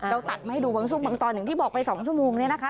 ตัดมาให้ดูบางช่วงบางตอนอย่างที่บอกไป๒ชั่วโมงเนี่ยนะคะ